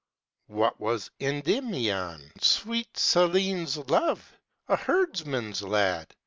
What was Endymion, sweet Selenè's love? A herdsman's lad.